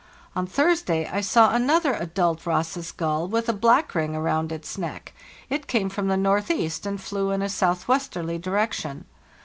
On Thursday I saw another adult Ross's gull, with a black ring round its neck; it came from the northeast, and flew in a southwesterly direction.